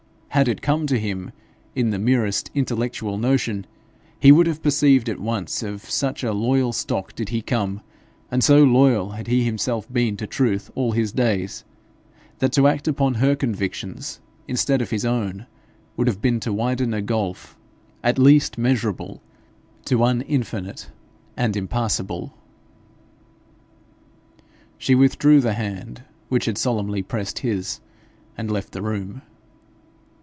Had it come to him as the merest intellectual notion, he would have perceived at once, of such a loyal stock did he come, and so loyal had he himself been to truth all his days, that to act upon her convictions instead of his own would have been to widen a gulf at least measurable, to one infinite and impassable. She withdrew the hand which had solemnly pressed his, and left the room.